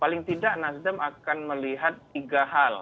paling tidak nasdem akan melihat tiga hal